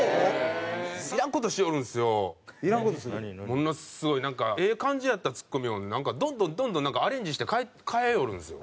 ものすごいええ感じやったツッコミをどんどんどんどんアレンジして変えよるんですよ。